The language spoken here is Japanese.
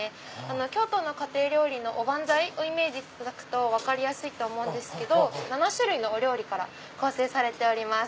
京都の家庭料理のお番菜をイメージしていただくと分かりやすいんですけど７種類のお料理から構成されております。